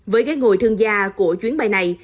với ghế ngồi thương gia của chuyến bay này